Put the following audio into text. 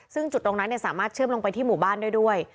ซึ่งจุดตรงนั้นสามารถเชื่อมลงไปที่หมู่บ้านได้ด้วย